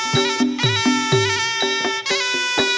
โชว์ที่สุดท้าย